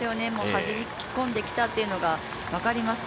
走り込んできたっていうのが分かります。